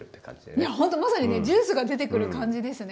いやほんとまさにねジュースが出てくる感じですね。